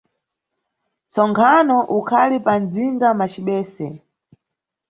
Ntsonkhano ukhali pa mdzinga macibese.